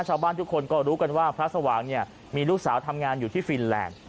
ชาวบ้านทุกคนก็รู้กันว่าพระสว่างเนี่ยมีลูกสาวทำงานอยู่ที่ฟินแลนด์